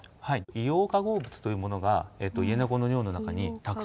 硫黄化合物というものがイエネコの尿の中にたくさん含まれています。